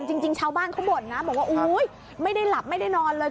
จริงชาวบ้านเขาบ่นนะบอกว่าอุ๊ยไม่ได้หลับไม่ได้นอนเลย